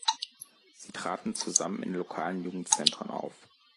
Sie traten zusammen in lokalen Jugendzentren auf.